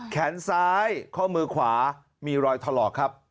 แขนซ้ายข้อมือขวามีรอยถลอกครับ